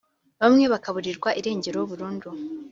bamwe bakaburirwa irengero burundu